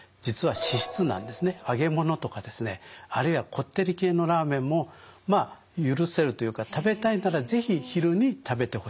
揚げ物とかですねあるいはこってり系のラーメンもまあ許せるというか食べたいなら是非昼に食べてほしいと。